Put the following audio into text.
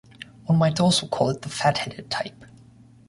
One might also call it the fatheaded type.